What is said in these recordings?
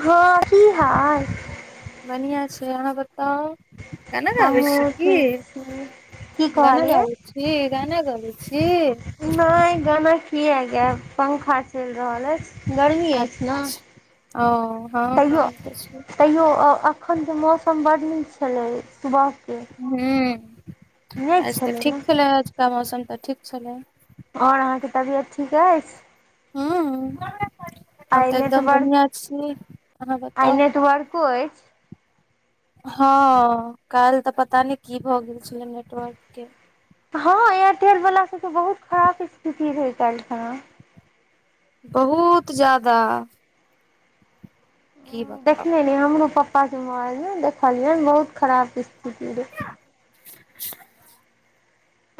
हँ की हाल? बढ़िआँ छैय अहाँ बताउ केना गबै छी हमहूँ की? ठीक छी की गाना कहलियै गाबै छी गाना गाबै छी? नहि गान किया गायब पंखा चलि रहल अछि। गर्मी अछि ने अच्छा ओ। हँ तैयो गाबै तऽ छी तैयो अखनके मौसम बड नीक छलै सुबहके। हूं नहि आज तऽ ने ठीक छलै आजुका मौसम तऽ ठीक छलै। आओर अहाँके तबियत ठीक अछि? हूँ हम आइ तऽ एकदम नेटवर्क बढ़िआँ छी अहाँ आइ बताउ। नेटवर्को अछि हँ काल्हि तऽ पता नहि की भए गेल छलै नेटवर्क के। हँ एयरटेल वाला सब त बहुत खराब स्थिति रहै कायल खन। बहुत जादा। बताउ देखने ने हमरो पापा के मोबाल देखलियै बहुत खराब स्थिति रहै।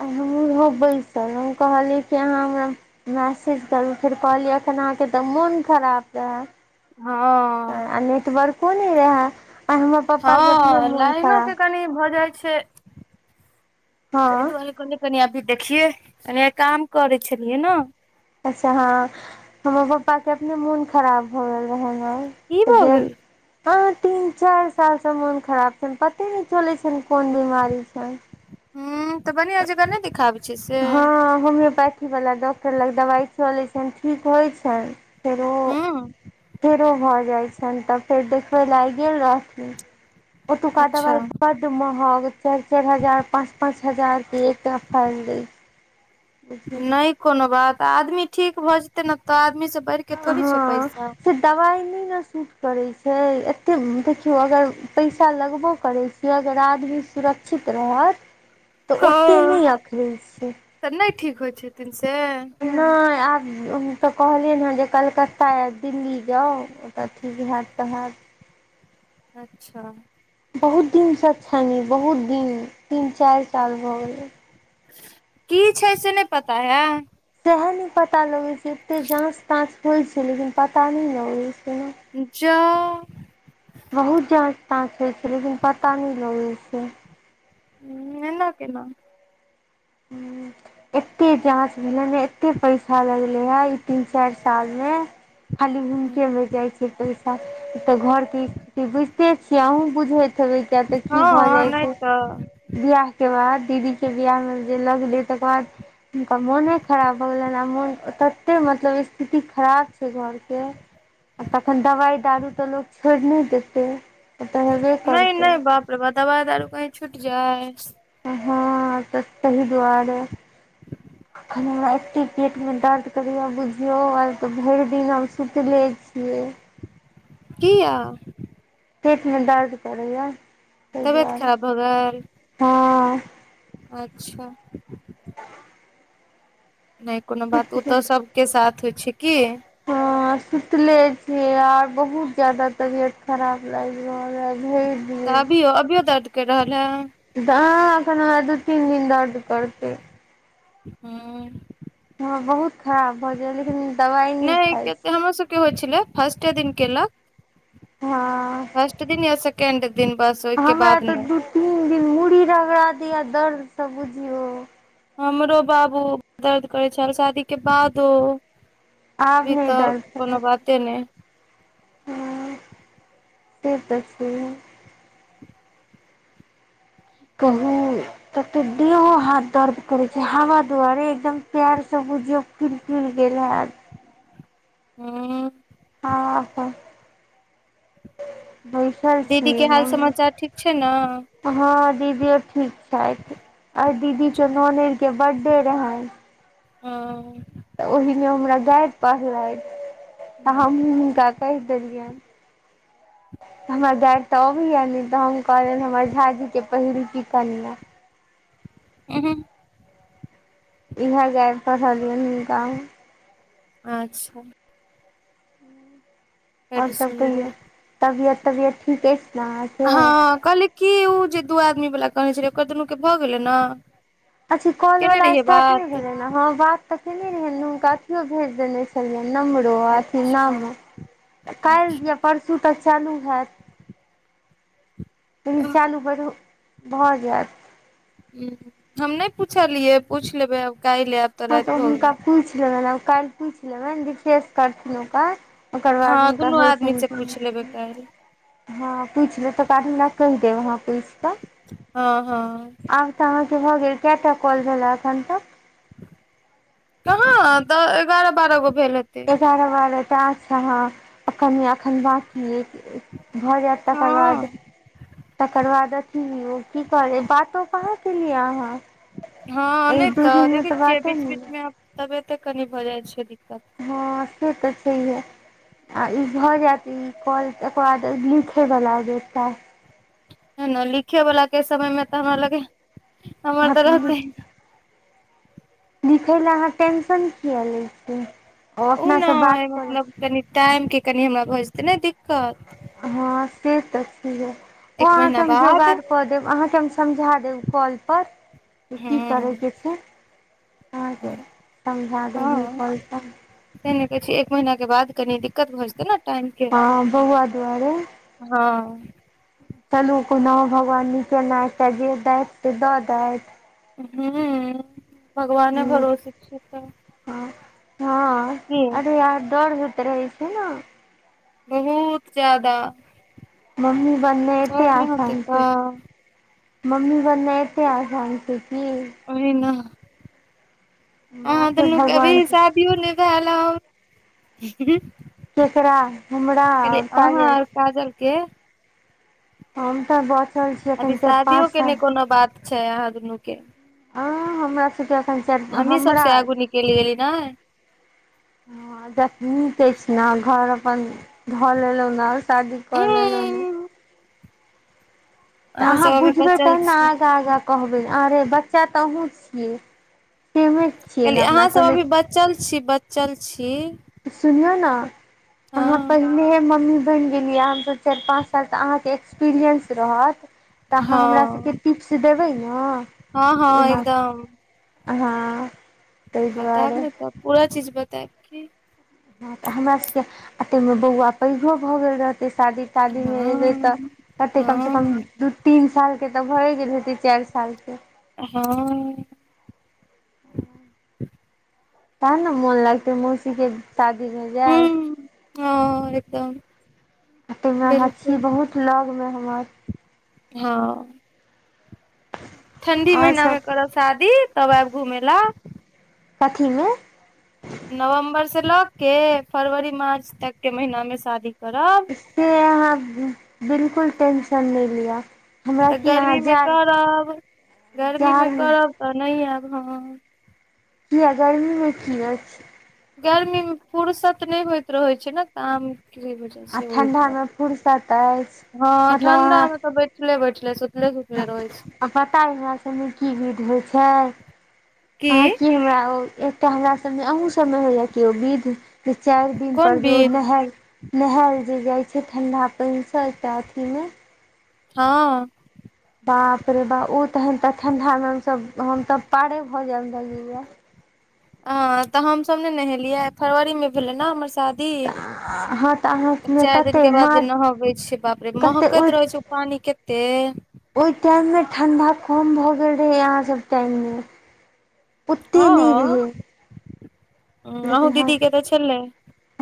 आ हमहूँ हो बैसल हम कहलियै कि अहाँ हमरा मैसेज करू फेर कहलियै एखन अहाँके तऽ मोन खराब रहा। हँ आ नेटवर्को नहि रहा आ हमर पापा के अपने मोन खराब तनी भऽ जाइ छैय ताहि हँ दुआरे कहली कनि अभी देखियै कनि काम करै छलियै ने। अच्छा हँ हमर पापाके अपने मोन खराब भ गेल रहै न। की त भऽ गेल गेलै ह तीन चारि सालसे मोन खराब छनि पते नहि चलै छनि कोन बीमारी छैनि। हू तऽ बनीया जका नहि देखाब हँ होम्योपैथीवला डॉक्टर लग दबाइ चलैत छनि ठीक होइत छनि फेरो हूँ फेरो भऽ जाइ छनि तऽ फेर देखबय लागि गेल रहथिन। ओतुका अच्छा दबाय बढ़ महग चारि चारि हजार पाँच पाँच हजारके एक फाइ दै छै नहि कोनो बात आदमी ठीक भऽ जेतै ने तऽ आदमीसँ बैढ़ कऽ थोड़ी छैय हँ पैसा। से दबाइ नहि ने सूट करै छैय एते देखियौ अगर पैसा लगबो करै छैय कि अगर आदमी सुरक्षित रहत तऽ ओते हँ नहि अखरै छैय। तऽ नहि ठीक होइत छथिन से? नहि आब हम तऽ कहलियै हँ जे कलकत्ता या दिल्ली जौ ओतऽ ठीक होयैत तऽ हैत अच्छा। बहुत दिनसँ छनि बहुत दिन तीन चारि साल भऽ गेलै कि छै से नहि पता है सएह नहि पता लगैत छै एते जाँच ताँच होइत छै लेकिन पता नहि लगैत छै। कोना जाउ। बहुत जाँच ताँच होइ छै लेकिन पता नहि लगै छै। हैं केना हूँ। एते जाँच भेले ने एत्ते पैसा लगले हे तीन चारि साल मे खाली भूम के लऽ जाइ छै पैसा तऽ घर के बुझते छियै अँ बुझैत हे तऽ की भऽ हँ जाइ नहि छै तऽ बिआह के बाद दीदी के बियाह मे जे लगलै तकर बाद हुनका मोने खराब भऽ गेलनि आ मोन तते मतलब स्थिति खराब छै। घरके आ तखन दवाई दारू तऽ लोक छोड़ि नहि देतै। ओ तऽ हेबे नहि करतै नहि बाप रे दबा तारू कही छूट जाइ हँ त सही दुआर कनि हमरा एी पेटमे दर्द करि बुझियौ आ तऽ भरि दिन हम सुतिले छियै। किया पेटमे दर्द करैया, ताहि तबियत दुआरे खराब भऽ गेल हँ। अच्छा। नहि कोनो बात, ओ सुतले तऽ सभके साथ होइ छै। कि हाँ सुतले छी आर बहुत जादा तबियत खराब लाग रहल हैं आय तऽ अभियो, अभियो दर्द करि रहल है। एखन हमरा दू तीन दिन दर्द करतै हँ। हँ बहुत खराब भऽ जाय लेकिन। दवाइ नहि खाइ इटा छी हमरो सभके होइ छलै फर्स्ट दिन केलक हँ। फर्स्ट दिन यै सेकंड दिन पास हमरा तऽ दू तीन दिन मूड़ी रगड़ा द दर्दसँ बुझियौ हमरो बाबू दर्द करै छैल शादी के बादो। आब अभी नहि तऽ दर्द कोनो करत बाते नहि। हँ से दस कहू। तब देहो हाथ दर्द करैत छै हवा दुआरे एकदम प्यारसँ बुझियौ फिर फिर गेलल आ हूँ हाँ तऽ बैस दीदी के हाल समाचार ठीक छै ने। हँ दीदियो ठीक छै, आर दीदी के नान के बर्थडे रहै। ओ। तऽ ओहि मे हमरा गायर पढ़लै, हम हू हुनका कहि देलियनि। हमर दैट तऽ अबैय नहि तऽ हम कहलनि हमर झाजीके पहिरू कि कन उ हूँ इएह जाय पढ़लियनि हुनका। अच्छा। और बड सभ सुन्दर कहिये, तबियत तबियत ठीके हँ कहली कि ओ जे दू आदमी वला कहने छलै ओकर दुनू के भऽ गेलै ने अच्छा कॉल केने वाला रहियै स्टार्ट नहि बात भेलै ने हैं बात त केने रहे हुनका अथियो भेज देने छलियनि नंबार अथी नाम अच्छा अच्छा काल्हि परसू तऽ चालू होत कनि चालू बढू भऽ जायत हम नहि पूछलियै, पूछि लेबै आब काल्हि लेबे हँ त हुनका पूछि लेबनि आ काल्हि पूछि लेबनि विशेष करथिन ओकर ओकर हँ बाद हुनका दुनू होइ। आदमी से पूछ लेबै काल्हि हँ पूछले तऽ कारड हमरा कहि देब अहाँ पुस त ह ह अब तऽ हमरा के हो गेल, कै टा काल भेल एखन तक कहाँ त एगारह बारह गो भेल हेत एगारह बारहटा छै अहाँ अखन अखन बाकी भ जायत तकर बाद हँ तकर बाद कीयो कि कहले बातो कहाँ लिया अहाँ हँ एहि नहि दू तऽ दिनमे देखैत छियै बाते बीच बीच मे नहि आब तबेते कनि भऽ जाइ छै दिक्कत हँ से तऽ छै हे ई भऽ जायत ई कॉल एक बाद लिखे वला जे लिखे वला के समय मे तऽ हमरा लग हमर तऽ टास्क रहतै लिखै ल अहाँ टेंशन किया ले छी ओ ने अपनासँ बात करब। मतलब कनि टाइम के कनि हमरा भऽ जेतै ने दिक्कत हँ से तऽ छै। ओ एक महीना अहाँकेँ हम बाद जोगाड़ कऽ देब अहाँकेँ हम समझा देब कॉल पर कि हँ करयके छै अहाँकेँ समझा दही पैस त नहि कहै छै एक महीना के बाद कनि दिक्कत भऽ जेतै न हँ बौआ दुआरे। ह चलू कोना भगवान नचेनाइ तऽ जे दथि से द दथि हू भगवान भरोसे इ हँ हँ अरे दौर होत रहै छै न बहुत जादा मम्मी बनने एते आसान छै। तऽ मम्मी बनने एते आसन छै कि ओही ने माँ के तन अभी भगवान के हिसाब ओ नहिबल। केकरा हमुरा आओर अहाँ सागज और काजल के हमम त बहुत अभी शादि यो के नहि कोनो बात छै यहाँ दुनू के हँ हमरा सभके एखन चारि हमरा गेलली गेली न हैं जख ने अछि ने घर अपन लऽ लऽ ने आ शादी कर लऽ लऽ ने उंम्म तऽ अहाँ सब अभी बुझबै बचल तहन छी ने आग कहबै अरे बच्चा तऽ अहुँ छियै मे छियै ने कहलियै अपना अहाँ सब सभ अभी बचल छी बचल छै सुनियौ ने अहाँ पर। हमे मम्मी बनि गेलियै हमसभ चारि पाँच साल अहाँकेँ एक्सपीरियंस रहत तऽ अहाँ हमरासके टिप्स देबै न ह ह एकदम। हँ। ताहि बताब दुआरे ने तऽ पूरा चीज बताय। तऽ हमरा सभके एतेमे बौआ पैघो भऽ गेल रहतै शादी शादी मे हँ एबै तऽ करते कम से हँ कम। दू तीन सालके तऽ भये गेल है ती चारि सालके हँ ने मन लागतै मौसी के तादिनमे जाउ ह एकदम। एत मे अछि बिलकुल बहुत लगमे हमर ह ठंडी आओर महीना मे सब करब शादी तब आयब घुमे ला कथी मे नवम्बरसँ लऽ के फरवरी मार्च तकके महिना मे शादी करब से अहाँ बिल्कूल टेंशन नहि लिआ तऽ गर्मीमे करब गर्मीमे जाड़मे करब तऽ नहि आयब हम। किया गर्मी मे की अछि गर्मी मे फुर्सत नहि होइत रहैत छै ने तऽ आ बझ ठण्डामे फुर्सत अछि हँ मतलब ठण्डा अहाँ मे तऽ बैठले बैठले सुतले रहै छी आ पता हमरा सभमे की गध होइ छै की अहाँ के हमरा ओ तऽ हमरा सभमे अहाँ सभमे होइया केओ विध जे चारि दिन कोन पर ज विध नहर नहायल जे जाय छै ठंडा पानि से एकटा अथी मे ह बाप रे बा ओ तहन तखधा मे हमसँ हमसँ पारे भऽ जायब लगेया तऽ हमस ने नहेलियै फरवरी मे भेले ने हमर साथ ह चारि दिनक के बाद जे नहबै छै बाप रे कते ओहि महकैत रहे छै ओ पानी कते ओहि टाइम मे ठण्ढा कम भऽ गेल रहै अहाँ सभ टाइम मे अतै नहि रहै आहु लेकिन हँ दीदी के तऽ चलै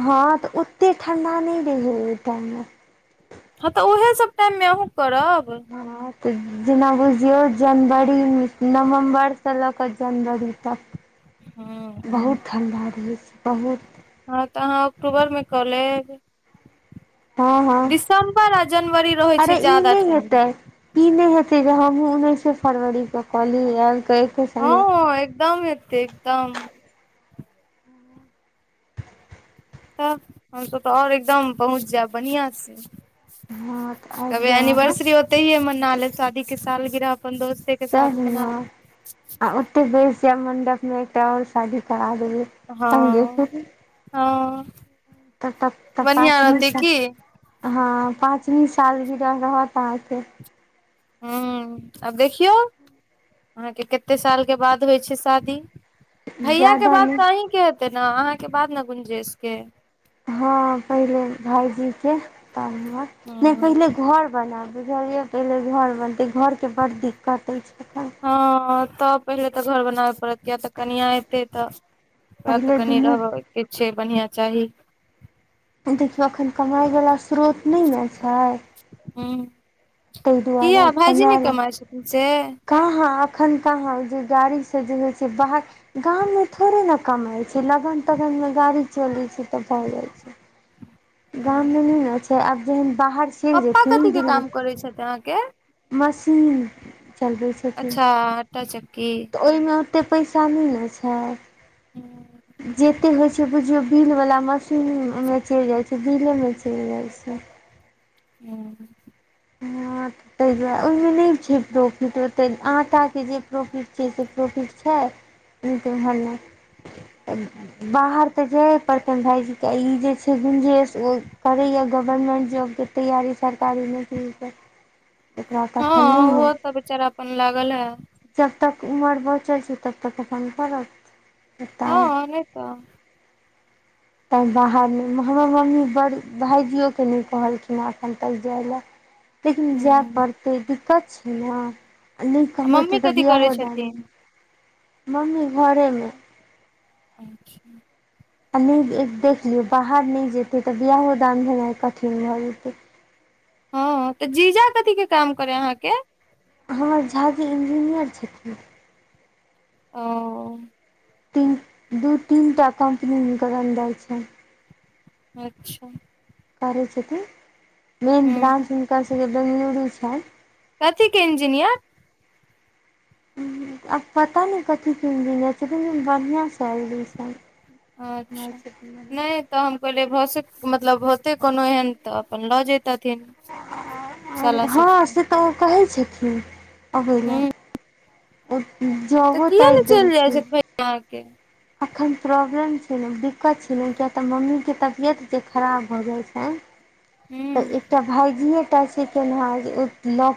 हँ तऽ ओते ठंडा नहि रहहि ओहि टाइम मे हँ तऽ उएहे सभ टाइम मे अहूँ करब हँ तऽ जेना बुझियौ जनवरीमे नवम्बरसँ लऽ कऽ जनवरी तक। [inaudible] हँ बहुत ठण्ढा रहै छै बहुत हँ तऽ अहाँ अक्टूबर मे कऽ लेब हँ हँ दिसम्बर आ जनवरी रहै छै अरे ई ज्यादा नै हेतै ठंडा ई नै हेतै जे हमहूँ उन्नैसे फरवरी के कलि यार हँ एकदम हेतै एकदम तब हमसभ तऽ आओर एकदम पहुँच जैब बढ़ियाँ से हँ तऽ तब आबि हैये जायब अहाँ एनिवर्सरी ओतहिये मना लेब शादी के साल गिरह अपन दोस्ते के साथ मना [unintelligible] लू के हिये से मण्डप मे एकटा आओर शादी करा देबै संगे हँ हँ तऽ तब तऽ बढ़िआँ पाँच रहतै मिनटसँ की हँ पाँचमी साल गिरह रहत अहाँके हँ आब देखियौ अहाँके केते साल के बाद होइ छै शादी भैया के जादा बात नहि तऽ अहींके हेतै ने अहाँके बाद न गुंजेश के हँ पहिले भाइजीके तहन नै हूँ पहिले घर बनैब बुझलियै पहिले घर बनतै घरके बड्ड दिक्कत होइ छै एखन हँ तब पहिले तऽ घर बनाबे पड़त किये तऽ कनियाँ एतै तऽ ओकरा तऽ पहिले कनि दुनू रहबके छै बढ़ियाँ चाही देखियौ अखैन कमाइवला स्रोत नै न छै हुँ ताहि किये दुआरे भाइजी नै कमाय ले कमाइ छथिन से कहाँ अखन कहाँ उजे गाड़ीसे जे होइ छै बाहर गाममे थोड़े ने कमाइ छै लगन तगनमे गाड़ी चलै छै तऽ भऽ जाइ छै गाम हूँ मे नै न छै आब जेहन बाहर चलि पप्पा जेथिन कथी के दिल्ली काम करै छथि अहाँके मशीन चलबै छै अच्छा आँटा चक्की ओहिमे ओते पैसा नै न हँ छै जेते होइ छै बुझियौ बिल वला मशीनमे चलि जाइ छै बिलेमे चलि जाइ छै हुँ हँ तऽ [unintelligible] ताहि दुआरे ओहिमे नहि छै प्रॉफिट ओते आटाके जे प्रॉफिट छै से प्रॉफिट छै नै तऽ ओहन नय बाहर तऽ जेये पड़तैन भायइजीके ई जे छै गुंजेश ओ करैए गवर्मेन्ट जॉबके तैयारी सरकारी नौकरी के एकरा तऽ अखन नहियें ओहो तऽ बेचारा अपन लागल है जब तक उमर बचल छै तब तक अपन करत हेतैन [unintelligible] हँ नहि तऽ तैँ बाहर नय हमर मम्मी बड़ भायजियो केँ नै कहलखिन हँ अखन तक जाय ले लेकिन जे ह पड़तै दिक्कत छै ने आ नहि आ मम्मी कमेतै तऽ कथी बियाहो करै दान छथिन नै मम्मी घरे मे अच्छा। आ नहि देख लियौ बाहर नहि जेतै तऽ बियहो दान भेनाइ कठिन भए जेतै हँ तऽ जीजा कथी के काम करे अहाँकेँ हमर झा जी इंजीनियर छथिन। ओ। तीन दू तीनटा कम्पनी हुनकरण दै छनि अच्छा। आलै छथि तऽ मेन ह ब्रा हुनका सभके डनूरी छनि कथी के इंजीनियर [unintelligible] आब पता नहि कथी तीन दिन जाइ छैन बढ़िआसँ एयलै सभ अच्छा नहि। तऽ हम कहहिले भऽ मतलब होतै कोनो एहन तऽ अपन लऽ जेतथिन हँ से तऽ ओ कहै छथिन अबय ह लेलऽ ओ जब तै देखी। हैं। अखन प्रॉब्लम छै, ने दिक्कत छै ने किया तऽ मम्मी के तबियत जे खराब भऽ जाइत छनि। तऽ ह एकटा भगिटा छैकन हैं